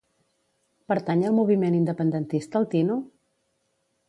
Pertany al moviment independentista el Tino?